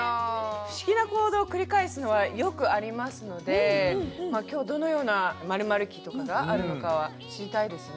不思議な行動を繰り返すのはよくありますので今日どのような○○期とかがあるのかは知りたいですね